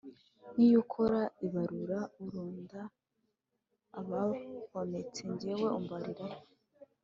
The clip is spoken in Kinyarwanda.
nk’iyo ukora ibarura uronda abahonotse jyewe umbarira hehe?